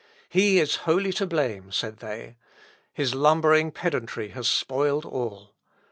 He is wholly to blame, said they. His lumbering pedantry has spoiled all.